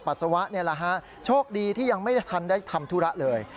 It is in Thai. ปัสสาวะเนี่ยล่ะฮะโชคดีที่ยังไม่ทันได้ทำธุระเลย